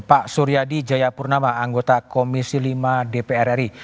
pak suryadi jayapurnama anggota komisi lima dpr ri